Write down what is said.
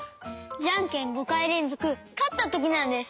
ジャンケン５かいれんぞくかったときなんです！